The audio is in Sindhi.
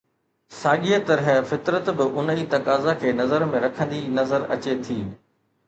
ساڳيءَ طرح فطرت به ان ئي تقاضا کي نظر ۾ رکندي نظر اچي ٿي